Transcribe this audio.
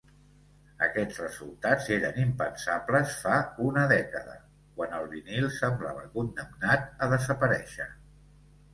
Aquests resultats eren impensables fa una dècada, quan el vinil semblava condemnat a desaparèixer.